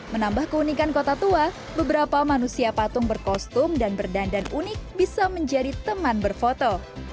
menambah keunikan kota tua beberapa manusia patung berkostum dan berdandan unik bisa menjadi teman berfoto